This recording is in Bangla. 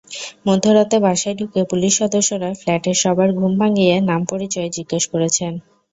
মধ্যরাতে বাসায় ঢুকে পুলিশ সদস্যরা ফ্ল্যাটের সবার ঘুম ভাঙিয়ে নাম-পরিচয় জিজ্ঞেস করেছেন।